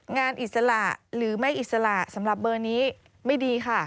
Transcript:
อิสระหรือไม่อิสระสำหรับเบอร์นี้ไม่ดีค่ะ